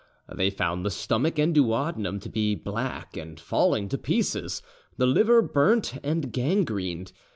They found the stomach and duodenum to be black and falling to pieces, the liver burnt and gangrened.